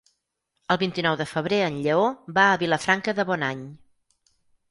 El vint-i-nou de febrer en Lleó va a Vilafranca de Bonany.